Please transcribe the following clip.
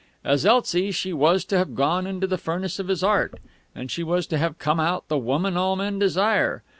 As Elsie she was to have gone into the furnace of his art, and she was to have come out the Woman all men desire!